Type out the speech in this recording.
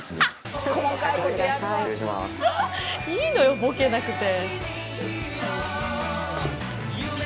いいのよボケなくて。